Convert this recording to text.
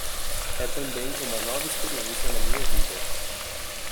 É também uma nova experiência na minha vida.